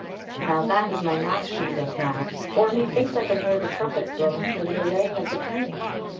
Now that is my last rede as now. For methinks I can hear the trumpets blowing for the arraying of the tourney.